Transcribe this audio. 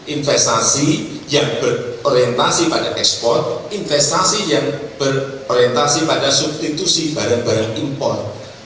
investasi yang berorientasi pada ekspor investasi yang berorientasi pada substitusi barang barang impor